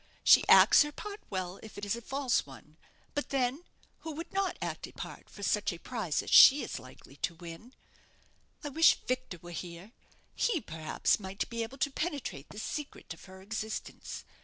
She acts her part well, if it is a false one. But, then, who would not act a part for such a prize as she is likely to win? I wish Victor were here. He, perhaps, might be able to penetrate the secret of her existence.